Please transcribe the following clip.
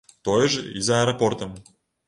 Тое ж і з аэрапортам.